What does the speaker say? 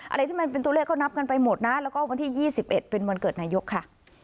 อะไรที่มันเป็นตัวเลขก็นับกันไปหมดนะแล้วก็วันที่๒๑เป็นวันเกิดนายกค่ะ